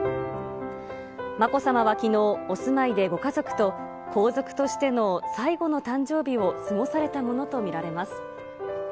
まこさまはきのう、お住まいでご家族と皇族としての最後の誕生日を過ごされたものと見られます。